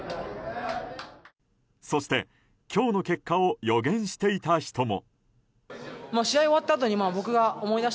そして、今日の結果を予言していた人も。